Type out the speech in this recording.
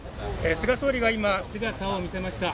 菅総理が今、姿を見せました。